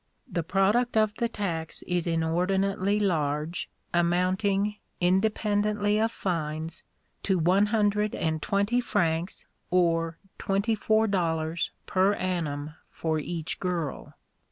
The product of the tax is inordinately large, amounting, independently of fines, to one hundred and twenty francs, or twenty four dollars per annum for each girl.